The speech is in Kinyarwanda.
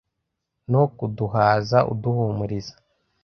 No kuduhaza uduhumuriza